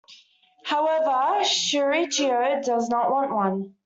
However, Shuichiro does not want one.